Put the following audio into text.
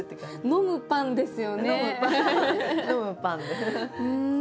「飲むパン」ね。